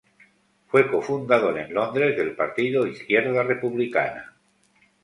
Fue cofundador en Londres del Partido Izquierda Republicana.